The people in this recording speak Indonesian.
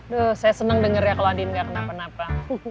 duh saya senang denger ya kalau andin gak kenapa napa